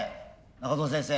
長藤先生